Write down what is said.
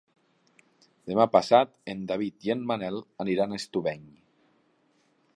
Demà passat en David i en Manel aniran a Estubeny.